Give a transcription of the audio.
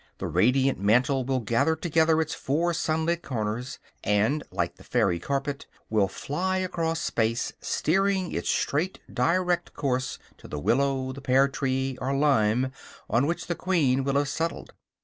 The radiant mantle will gather together its four sunlit corners; and, like the fairy carpet, will fly across space, steering its straight, direct course to the willow, the pear tree or lime on which the queen will have settled.